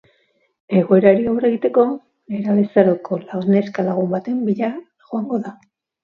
Egoerari aurre egiteko, nerabezaroko neska-lagun baten bila joango da.